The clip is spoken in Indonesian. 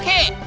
ya sudah sudah